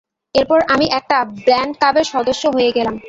এরপর আমি একটা ব্যান্ড ক্লাবের সদস্য হয়ে গেলাম।